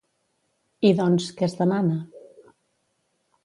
I doncs, què es demana?